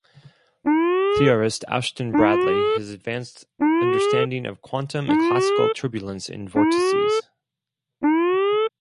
Theorist Ashton Bradley has advanced understanding of quantum and classical turbulence and vortices.